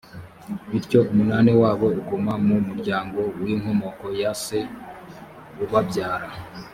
bityo, umunani wabo uguma mu muryango w’inkomoko ya se ubabyara.